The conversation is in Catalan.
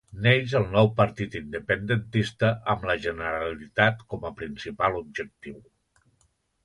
Neix el nou partit independentista amb la Generalitat com a principal objectiu.